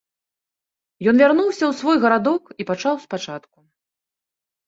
Ён вярнуўся ў свой гарадок і пачаў спачатку.